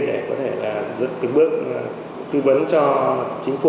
để có thể là từng bước tư vấn cho chính phủ